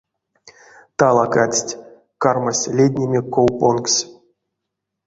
Талакадсть, кармасть леднеме ков понгсь.